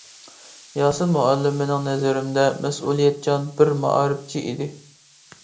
ياسىن مۇئەللىم مېنىڭ نەزىرىمدە مەسئۇلىيەتچان بىر مائارىپچى ئىدى.